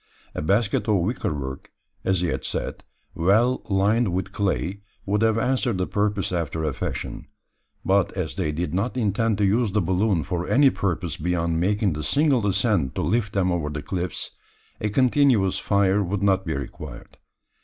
A basket of wicker work, as he had said, well lined with clay, would have answered the purpose after a fashion; but as they did not intend to use the balloon for any purpose beyond making the single ascent to lift them over the cliffs, a continuous fire would not be required.